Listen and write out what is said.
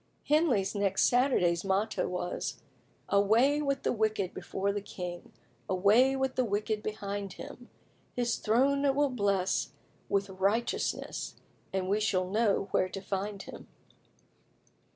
Henley's next Saturday's motto was "Away with the wicked before the king, Away with the wicked behind him; His throne it will bless With righteousness, And we shall know where to find him."